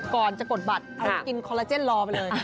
ก่อนจะกดบัตรเอากินคอลลาเจนรอไปเลย